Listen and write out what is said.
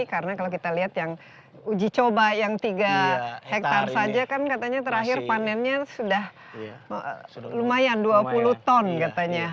karena kalau kita lihat yang uji coba yang tiga hektare saja kan katanya terakhir panennya sudah lumayan dua puluh ton katanya